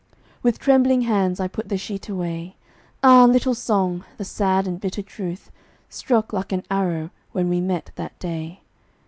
With trembling hands I put the sheet away; Ah, little song! the sad and bitter truth Struck like an arrow when we met that day!